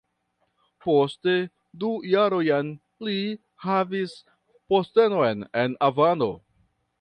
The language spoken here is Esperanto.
Poste du jarojn li havis postenon en Havano.